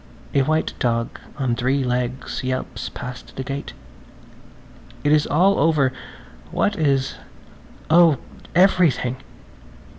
A white dog on three legs yelps past the gate. It is all over! What is? Oh, everything!